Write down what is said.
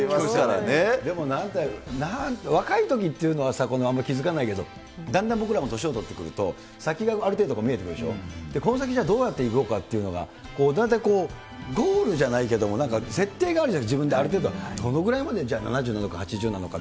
でもなんか、若いときっていうのはさ、あんま気付かないけど、だんだん僕らも年を取ってくると、先がある程度、見えてくるでしょ、この先、じゃあ、どうやっていこうかっていうのが、大体ゴールじゃないけども、なんか、設定があるじゃない、自分である程度、どのぐらいまで、じゃあ、７０なのか、８０なのか